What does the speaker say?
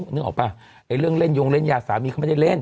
เห็นออกป่ะอย่างเรื่องเล่นโยวงเล่นยากสามีเขาไม่ได้เล่น